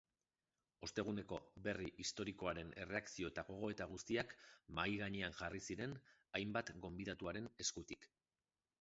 Osteguneko berri historikoaren erreakzio eta gogoeta guztiak mahai-gainean jarri ziren hainbat gonbidaturen eskutik.